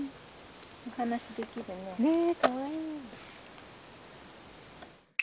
お話しできるね。ねえかわいい。